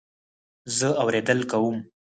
زه اورېدل کوم